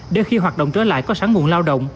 để khi hoạt động trở lại có sẵn nguồn lao động